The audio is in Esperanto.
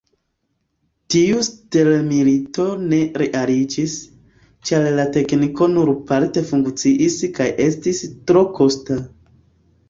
Tiu stelmilito ne realiĝis, ĉar la tekniko nur parte funkciis kaj estis tro kosta.